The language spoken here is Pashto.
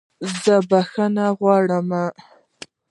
زه بخښنه غواړم